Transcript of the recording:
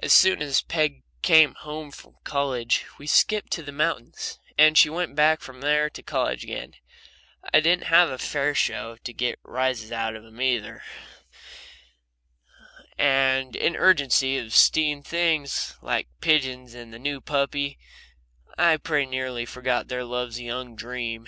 As soon as Peg came home from college we skipped to the mountains, and she went back from there to college again, and I didn't have a fair show to get rises out of them together, and in the urgency of 'steen things like pigeons and the new puppy, I pretty nearly forgot their love's young dream.